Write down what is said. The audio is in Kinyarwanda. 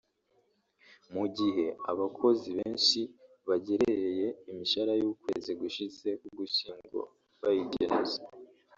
Mu gihe abakozi benshi bagerereye imishahara y’ukwezi gushize k’Ugushyingo bayikenuza